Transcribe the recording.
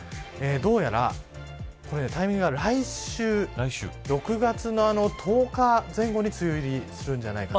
どうやらタイミングが来週の６月の１０日前後に梅雨入りするんじゃないか。